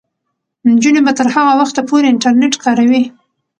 نجونې به تر هغه وخته پورې انټرنیټ کاروي.